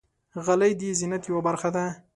غلۍ د زینت یوه برخه ده.